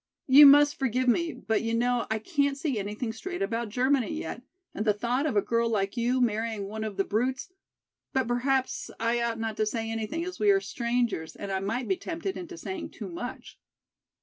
"You must forgive me, but you know I can't see anything straight about Germany yet and the thought of a girl like you marrying one of the brutes,—but perhaps I ought not to say anything as we are strangers and I might be tempted into saying too much."